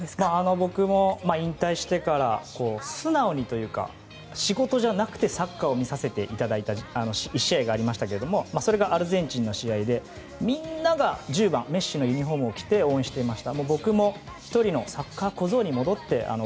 僕も、引退してから素直にというか仕事じゃなくてサッカーを見させていただいた１試合がありましたけどもそれがアルゼンチンの試合でみんなが１０番メッシのユニホームを着て応援していました。